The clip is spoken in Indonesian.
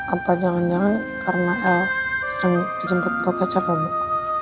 apa jangan jangan karena el sering dijemput botol kecap bapak